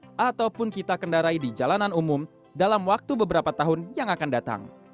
ataupun kita kendarai di jalanan umum dalam waktu beberapa tahun yang akan datang